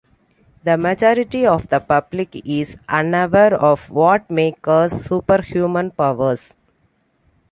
The majority of the public is unaware of what may cause superhuman powers.